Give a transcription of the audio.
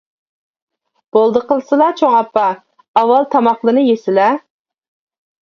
-بولدى قىلسىلا، چوڭ ئاپا، ئاۋۋال تاماقلىرىنى يېسىلە!